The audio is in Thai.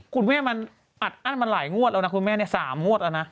คุณแม่อันมันหลายงวดแล้วนะคุณแม่นี้๓งวดแล้วนะ